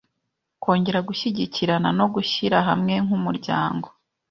kongera gushyigikirana no gushyira hamwe nk’umuryango.